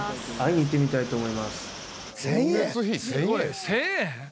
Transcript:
１０００円！？